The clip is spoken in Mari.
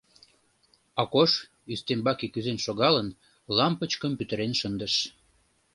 Акош, ӱстембаке кӱзен шогалын, лампычкым пӱтырен шындыш.